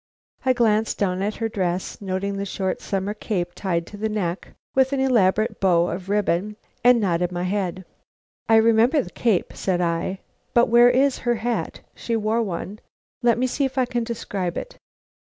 I glanced down at her dress, noted the short summer cape tied to the neck with an elaborate bow of ribbon, and nodded my head. "I remember the cape," said I. "But where is her hat? She wore one. Let me see if I can describe it."